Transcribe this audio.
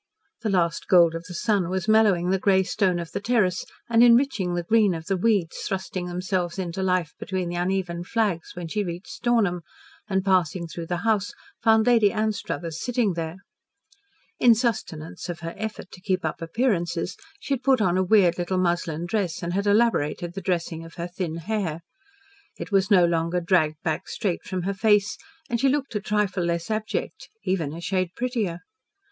The last gold of the sun was mellowing the grey stone of the terrace and enriching the green of the weeds thrusting themselves into life between the uneven flags when she reached Stornham, and passing through the house found Lady Anstruthers sitting there. In sustenance of her effort to keep up appearances, she had put on a weird little muslin dress and had elaborated the dressing of her thin hair. It was no longer dragged back straight from her face, and she looked a trifle less abject, even a shade prettier.